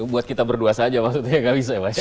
buat kita berdua saja maksudnya nggak bisa pak ya